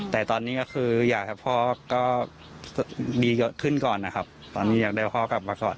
แต่ตอนนี้ก็คืออยากให้พ่อก็ดีเยอะขึ้นก่อนนะครับตอนนี้อยากได้พ่อกลับมาก่อน